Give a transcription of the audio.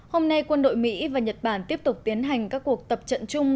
hôm nay quân đội mỹ và nhật bản tiếp tục tiến hành các cuộc tập trận chung